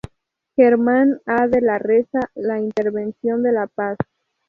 Germán A. de la Reza, "La invención de la paz.